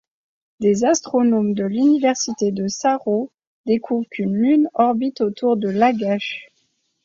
Des astronomes de l'université de Saro découvrent qu'une lune orbite autour de Lagash.